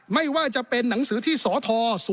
ไม่ว่าจะเป็นหนังสือที่สธ